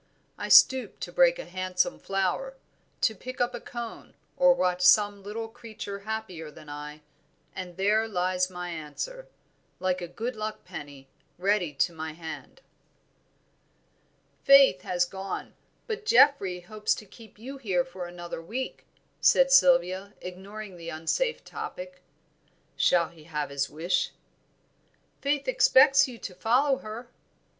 I stoop to break a handsome flower, to pick up a cone, or watch some little creature happier than I, and there lies my answer, like a good luck penny, ready to my hand." "Faith has gone, but Geoffrey hopes to keep you for another week," said Sylvia, ignoring the unsafe topic. "Shall he have his wish?" "Faith expects you to follow her."